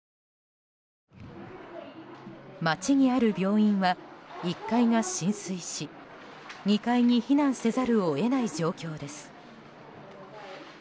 街にある病院は１階が浸水し２階に避難せざるを得ない状況です。